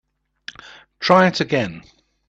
Try it again.